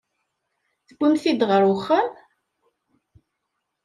Tewwim-tt-id ɣer uxxam?